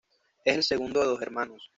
Es el segundo de dos hermanos.